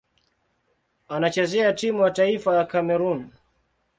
Anachezea timu ya taifa ya Kamerun.